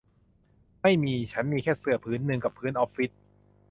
ไม่มี ฉันมีแค่เสื่อผืนหนึ่งกับพื้นออฟฟิศ